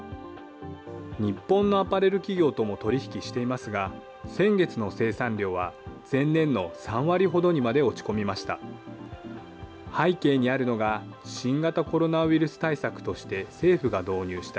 日本のアパレル企業とも取り引きしていますが、先月の生産量は前年の３割ほどにまで落ち込みました。